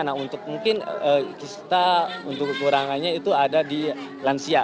nah untuk mungkin kita untuk kekurangannya itu ada di lansia